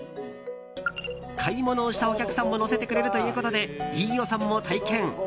買い物をしたお客さんも乗せてくれるということで飯尾さんも体験。